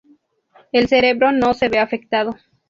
El cerebro no se ve afectado.